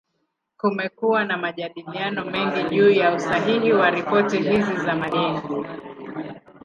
Kumekuwa na majadiliano mengi juu ya usahihi wa ripoti hizi za madeni.